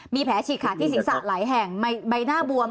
มีแผลฉีกขาดที่ศีรษะหลายแห่งใบหน้าบวม